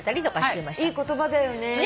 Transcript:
いい言葉だよね。